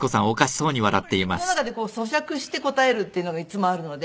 やっぱり自分の中で咀嚼して答えるっていうのがいつもあるので。